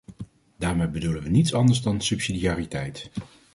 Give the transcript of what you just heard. Daarmee bedoelen we niets anders dan subsidiariteit.